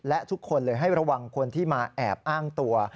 และทุกคนเลยให้ระวังคนที่มาแอบอ้างตัว